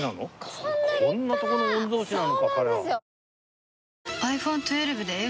こんなとこの御曹司なのか彼は。